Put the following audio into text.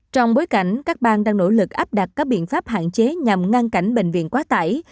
trong bối cảnh các bang đang nỗ lực áp đặt các biện pháp hạn chế nhằm ngăn cản bệnh viện quá tải